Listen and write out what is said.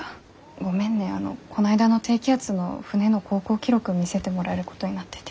ごめんねこないだの低気圧の船の航行記録見せてもらえることになってて。